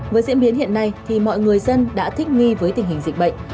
với diễn biến hiện nay thì mọi người dân đã thích nghi với tình hình dịch bệnh